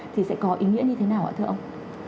thì sẽ có ý nghĩa như thế nào ạ thưa ông